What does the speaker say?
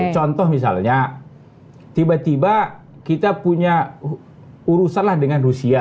contoh misalnya tiba tiba kita punya urusan lah dengan rusia